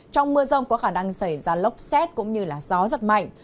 trong mưa rông có khả năng xảy ra lốc xét cũng như là gió rất mạnh